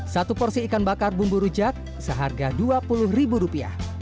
satu porsi ikan bakar bumbu rujak seharga rp dua puluh